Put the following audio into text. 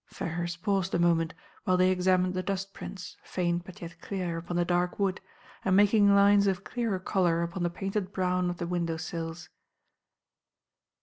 Ferrars paused a moment, while they examined the dust prints, faint but yet clear, upon the dark wood, and making lines of clearer colour upon the painted brown of the window sills.